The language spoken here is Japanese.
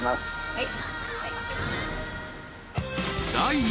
はい。